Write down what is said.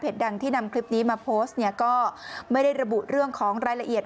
ดังที่นำคลิปนี้มาโพสต์เนี่ยก็ไม่ได้ระบุเรื่องของรายละเอียด